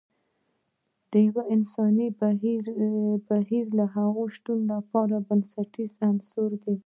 د يو انسان فکري بهير د هغه د شتون لپاره بنسټیز عنصر دی.